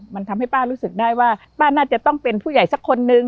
มันทำให้ป้ารู้สึกได้ว่าป้าน่าจะต้องเป็นผู้ใหญ่สักคนนึง